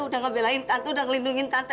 sudah ngebelain tante sudah ngelindungin tante